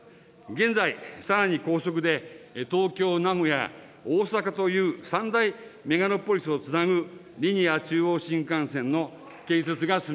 現在、さらに高速で東京、名古屋、大阪という三大メガロポリスをつなぐリニア中央新幹線の建設が進